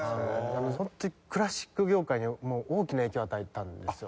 ホントにクラシック業界に大きな影響を与えたんですよ。